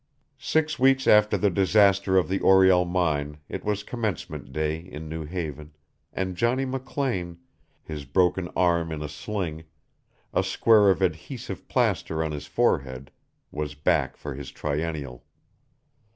Six weeks after the disaster of the Oriel mine it was commencement day in New Haven and Johnny McLean, his broken arm in a sling, a square of adhesive plaster on his forehead, was back for his Triennial.